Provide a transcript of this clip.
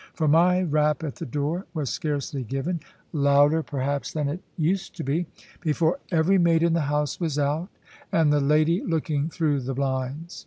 For my rap at the door was scarcely given (louder, perhaps, than it used to be) before every maid in the house was out, and the lady looking through the blinds.